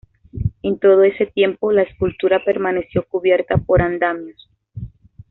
En todo ese tiempo la escultura permaneció cubierta por andamios.